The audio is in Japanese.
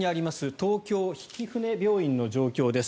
東京曳舟病院の状況です。